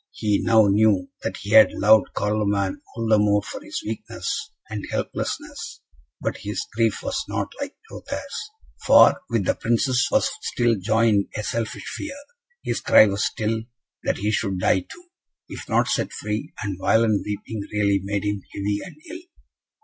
He now knew that he had loved Carloman all the more for his weakness and helplessness; but his grief was not like Lothaire's, for with the Prince's was still joined a selfish fear: his cry was still, that he should die too, if not set free, and violent weeping really made him heavy and ill.